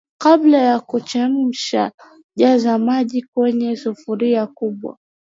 Kabla ya kuchemsha jaza maji kwenye sufuria kubwa